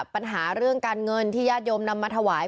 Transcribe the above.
ปัญหาเรื่องการเงินที่ญาติโยมนำมาถวาย